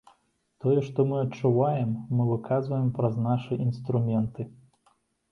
Тое, што мы адчуваем, мы выказваем праз нашы інструменты.